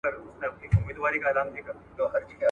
ډاکتران د پښتورګو ساتنې سپارښتنې کوي.